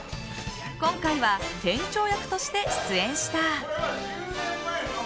今回は店長役として出演した。